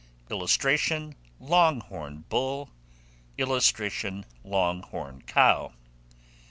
[Illustration: LONG HORN BULL.] [Illustration: LONG HORN COW.